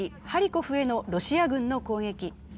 ハリコフへのロシア軍の攻撃。